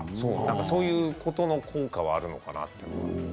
そういう効果はあるのかなと。